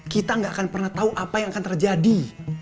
kita gak akan pernah tahu apa yang akan terjadi